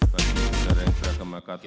bagi negara yang terkemakamu